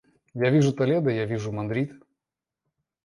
Я вижу Толедо, я вижу Мадрид.